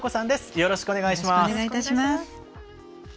よろしくお願いします。